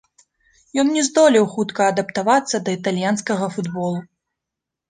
Ён не здолеў хутка адаптавацца да італьянскага футболу.